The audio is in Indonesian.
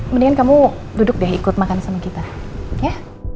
mendingan kamu duduk deh ikut makan sama kita ya